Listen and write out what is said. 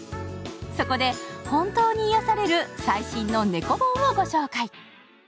そこで本当に癒やされる最新の猫本をご紹介。